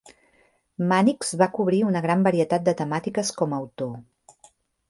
Mannix va cobrir una gran varietat de temàtiques com a autor.